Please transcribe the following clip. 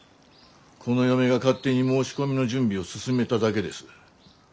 この嫁が勝手に申し込みの準備を進めただけです。